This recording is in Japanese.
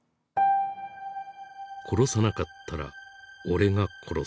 「殺さなかったら俺が殺された」。